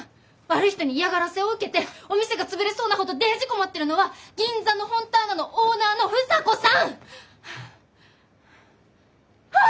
悪い人に嫌がらせを受けてお店が潰れそうなほどデージ困ってるのは銀座のフォンターナのオーナーの房子さん！は！